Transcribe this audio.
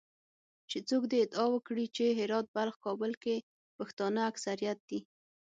چې څوک دې ادعا وکړي چې هرات، بلخ، کابل کې پښتانه اکثریت دي